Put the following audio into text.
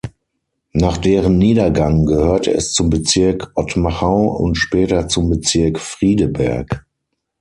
Nach deren Niedergang gehörte es zum Bezirk Ottmachau und später zum Bezirk Friedeberg.